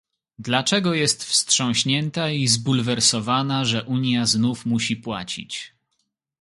Dlaczego jest wstrząśnięta i zbulwersowana, że Unia znów musi płacić?